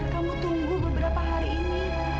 kamu tunggu beberapa hari ini